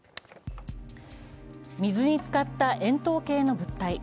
水につかった円筒形の物体。